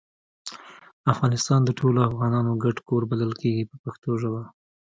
افغانستان د ټولو افغانانو ګډ کور بلل کیږي په پښتو ژبه.